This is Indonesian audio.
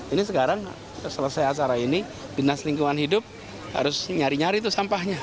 ini sekarang selesai acara ini binas lingkungan hidup harus nyari nyari tuh sampahnya